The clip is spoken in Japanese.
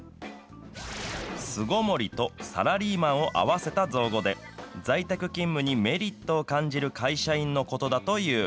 巣ごもりとサラリーマンを合わせた造語で、在宅勤務にメリットを感じる会社員のことだという。